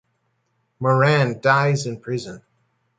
Moran dies in prison.